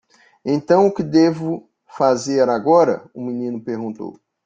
"Então, o que devo fazer agora?" o menino perguntou.